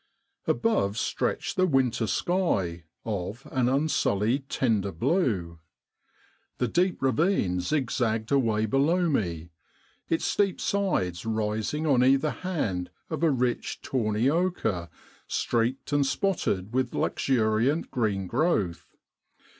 Above stretched the winter sky, of an unsullied tender blue. The deep ravine zigzagged away below me, its steep sides rising on either hand of a rich tawny ochre streaked and spotted with luxuriant green growth.